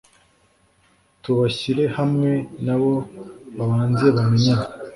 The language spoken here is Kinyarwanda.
tubashyire hamwe na bo babanze bamenyane